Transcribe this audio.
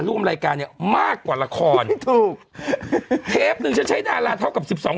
ร่วมรายการเนี้ยมากกว่าละครถูกเทปหนึ่งฉันใช้ดาราเท่ากับสิบสอง